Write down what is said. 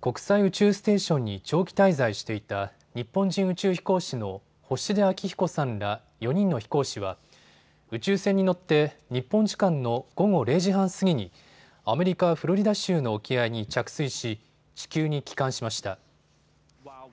国際宇宙ステーションに長期滞在していた日本人宇宙飛行士の星出彰彦さんら４人の飛行士は宇宙船に乗って日本時間の午後０時半過ぎにアメリカ・フロリダ州の沖合に着水し地球に帰還しました。